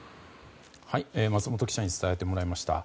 松本記者に伝えてもらいました。